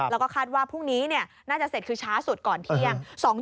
แล้วก็คาดว่าพรุ่งนี้น่าจะเสร็จคือช้าสุดก่อนเที่ยง